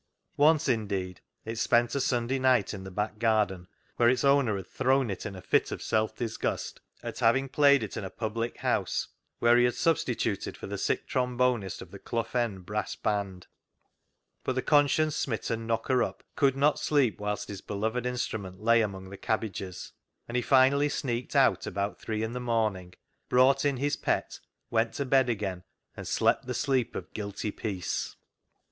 Once, indeed, it spent a Sunday night in the back garden, where its owner had thrown it in a fit of self disgust at having played it in a public house, where he had substituted for the sick trombonist of the Clough End brass band. But the conscience smitten knocker up could not sleep whilst his beloved instrument lay 1 THE KNOCKER UP 147 among the cabbages, and he finally sneaked out about three in the morning, brought in his pet, went to bed again, and slept the sleep of guilty peace.